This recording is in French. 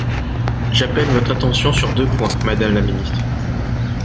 J’appelle votre attention sur deux points, madame la ministre.